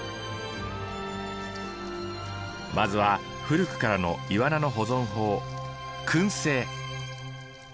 まずは古くからのイワナの保存法くん製。